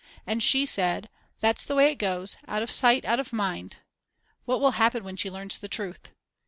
And she said: That's the way it goes, out of sight out of mind. What will happen when she learns the truth.